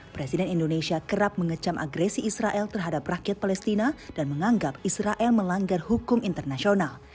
presiden indonesia kerap mengecam agresi israel terhadap rakyat palestina dan menganggap israel melanggar hukum internasional